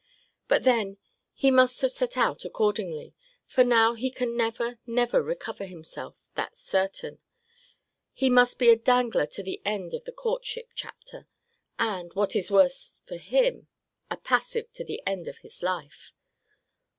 But then he must have set out accordingly. For now he can never, never recover himself, that's certain; but must be a dangler to the end of the courtship chapter; and, what is still worse for him, a passive to the end of his life.